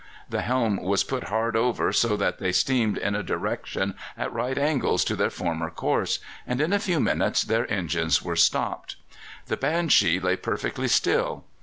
The helm was put hard over, so that they steamed in a direction at right angles to their former course, and in a few minutes their engines were stopped. The Banshee lay perfectly still.